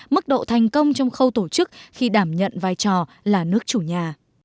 mức độ thành công trong khâu tổ chức khi đảm nhận vai trò là nước chủ nhà